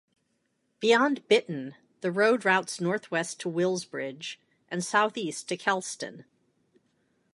Beyond Bitton the road routes north-west to Willsbridge and south-east to Kelston.